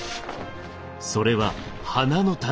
それは花の誕生。